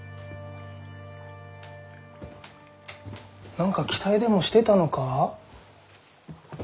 何か期待でもしてたのか？